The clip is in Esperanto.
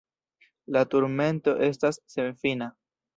La turmento estas senfina.